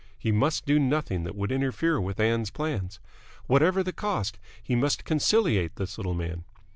He must do nothing that would interfere with Ann's plans. Whatever the cost, he must conciliate this little man.